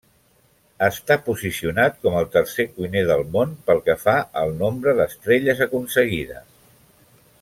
Està posicionat com el tercer cuiner del món pel que fa al nombre d'estrelles aconseguides.